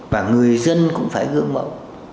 và người dân cũng phải gương mẫu